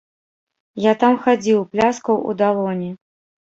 Я там хадзіў, пляскаў у далоні.